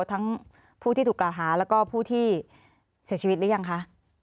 ทั้งผู้ที่ถูกกล่าวหาแล้วก็ผู้ที่เสียชีวิตหรือยังคะ